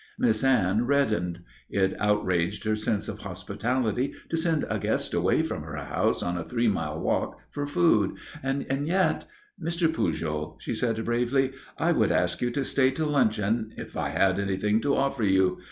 Miss Anne reddened. It outraged her sense of hospitality to send a guest away from her house on a three mile walk for food. And yet "Mr. Pujol," she said bravely, "I would ask you to stay to luncheon if I had anything to offer you.